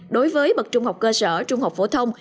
đối với bậc trung học cơ sở trung học phổ thông